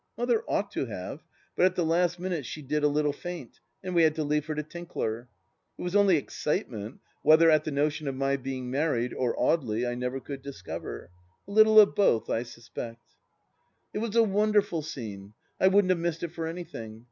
Mother ought to have, but at the last minute she did a little faint, and we had to leave her to Tinkler. It was only excitement, whether at the notion of my being married, or Audely, I never could discover. A little of both, I suspect. It was a wonderful scene. I wouldn't have missed it for anything.